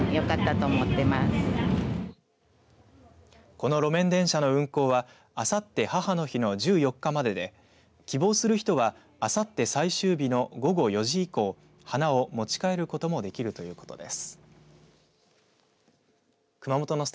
この路面電車の運行はあさって母の日の１４日までで希望する人はあさって最終日の午後４時以降花を持ち帰ることもできるということです。